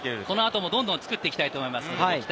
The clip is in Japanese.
このあともどんどん作っていきたいと思います。